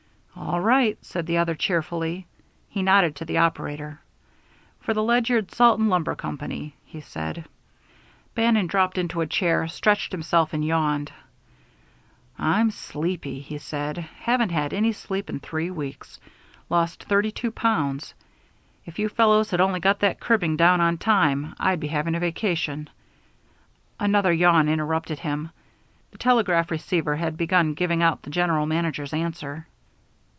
"All right," said the other, cheerfully. He nodded to the operator. "For the Ledyard Salt and Lumber Company," he said. Bannon dropped into a chair, stretched himself, and yawned. "I'm sleepy," he said; "haven't had any sleep in three weeks. Lost thirty two pounds. If you fellows had only got that cribbing down on time, I'd be having a vacation " Another yawn interrupted him. The telegraph receiver had begun giving out the general manager's answer.